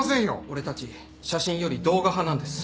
俺たち写真より動画派なんです。